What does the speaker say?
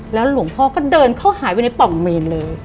หลวงพ่อก็เดินเข้าหายไปในป่องเมนเลย